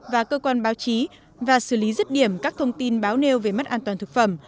và cơ quan báo chí và xử lý rứt điểm các thông tin báo nêu về mất an toàn thực phẩm